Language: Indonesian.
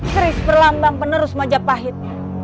keris perlambang penerus majapahit